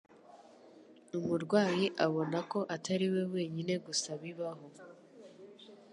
umurwayi abona ko Atari we wenyine gusa bibaho